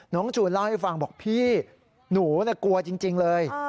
จูนเล่าให้ฟังบอกพี่หนูกลัวจริงเลย